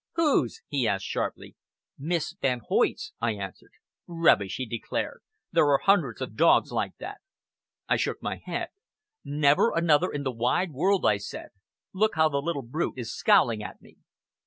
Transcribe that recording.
"Whose?" he asked sharply. "Miss Van Hoyt's," I answered. "Rubbish!" he declared. "There are hundreds of dogs like that." I shook my head. "Never another in the wide world," I said. "Look how the little brute is scowling at me!"